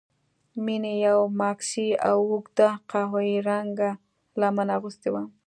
مينې يوه ماکسي او اوږده قهويي رنګه لمن اغوستې وه.